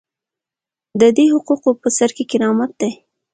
د دې حقوقو په سر کې کرامت دی.